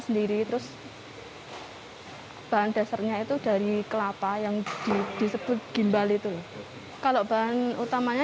sendiri terus bahan dasarnya itu dari kelapa yang disebut gimbal itu kalau bahan utamanya